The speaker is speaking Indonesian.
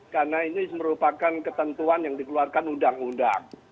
karena ini merupakan ketentuan yang dikeluarkan undang undang